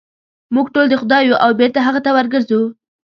موږ ټول د خدای یو او بېرته هغه ته ورګرځو.